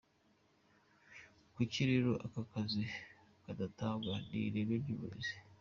Kuki rero ako kazi kadatangwa? Ni ireme ry’uburezi.